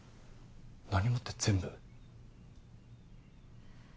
「何も」って全部？